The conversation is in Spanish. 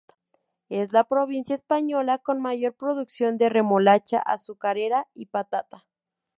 Es la provincia española con mayor producción de remolacha azucarera y patata.